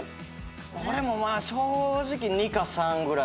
俺もまあ正直２か３ぐらい。